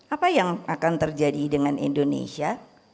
apa yang akan terjadi dengan indonesia